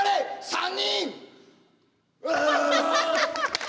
３人！